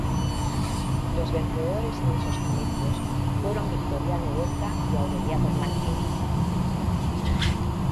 Los vencedores en esos comicios fueron Victoriano Huerta y Aureliano Blanquet.